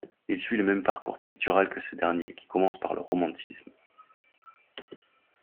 Il suit le même parcours pictural que ce dernier, qui commence par le romantisme.